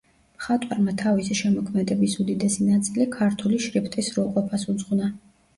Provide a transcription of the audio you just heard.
მხატვარმა თავისი შემოქმედების უდიდესი ნაწილი ქართული შრიფტის სრულყოფას უძღვნა.